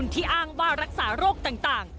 ที่อ้างว่ารักษาโรคต่าง